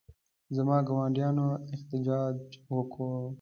زما ګاونډیانو احتجاج وکړ.